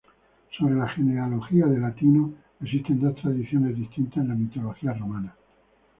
Sobre la genealogía de Latino existen dos tradiciones distintas en la mitología romana.